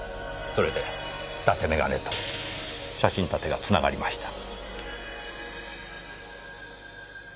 それで伊達眼鏡と写真立てがつながりました。